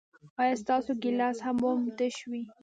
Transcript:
ایا ستاسو ګیلاس به تش وي؟